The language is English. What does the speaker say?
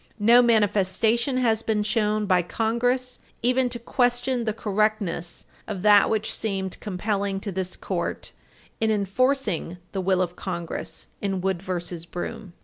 No manifestation has been shown by Congress even to question the correctness of that which seemed compelling to this Court in enforcing the will of Congress in Wood v. Broom.